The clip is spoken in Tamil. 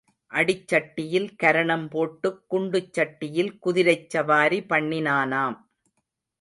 அடிச்சட்டியில் கரணம் போட்டுக் குண்டு சட்டியில் குதிரைச் சவாரி பண்ணினானாம்.